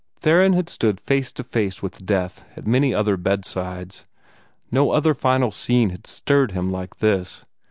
Theron had stood face to face with death at many other bedsides; no other final scene had stirred him like this.